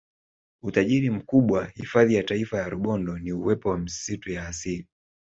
Utajiri mkubwa hifadhi ya Taifa ya Rubondo ni uwepo wa misitu ya asili